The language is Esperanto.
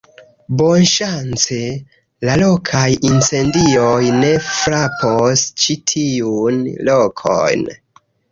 bonŝance la lokaj incendioj ne frapos ĉi tiun lokon.